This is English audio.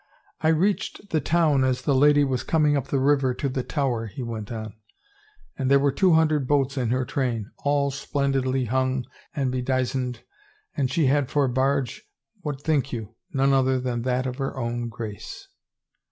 " I reached the town as the lady was coming up the river to the Tower," he went on, " and there were two hun dred boats in her train, all splendidly hung and bediz ened and she had for barge — what think you? — none other than that of her own Grace